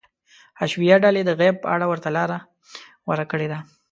حشویه ډلې د غیب په اړه ورته لاره غوره کړې ده.